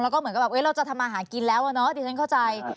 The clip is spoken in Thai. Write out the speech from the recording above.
แล้วก็เหมือนกับแบบเราจะทำมาหากินแล้วอะเนาะดิฉันเข้าใจ